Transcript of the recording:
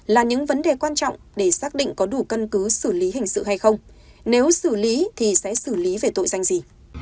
là những vấn đề quan trọng để xác định có đủ căn cứ xử lý hình sự hay không nếu xử lý thì sẽ xử lý về tội danh gì